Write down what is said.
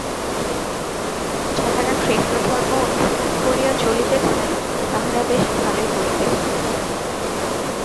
যাঁহারা খ্রীষ্টধর্ম অনুসরণ করিয়া চলিতেছেন, তাঁহারা বেশ ভালই করিতেছেন।